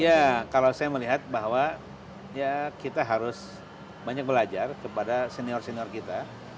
iya kalau saya melihat bahwa ya kita harus banyak belajar kepada senior senior kita